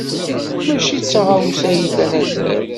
Maci d taɣawsa ay ilan azal.